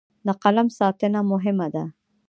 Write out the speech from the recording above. د قلم ساتنه مهمه ده.